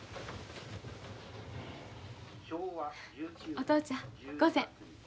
お父ちゃんご膳。